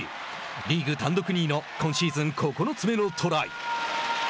リーグ単独２位の今シーズン９つ目のトライ。